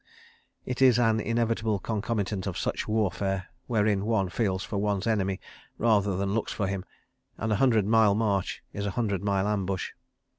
It is an inevitable concomitant of such warfare, wherein one feels for one's enemy rather than looks for him, and a hundred mile march is a hundred mile ambush.